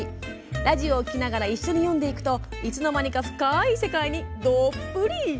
ラジオを聞きながら一緒に読んでいくといつの間にか深い世界にどっぷり。